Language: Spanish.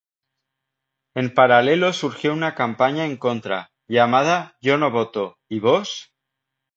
En paralelo surgió una campaña en contra, llamada "Yo no voto, ¿y vos?